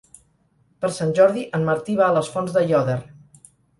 Per Sant Jordi en Martí va a les Fonts d'Aiòder.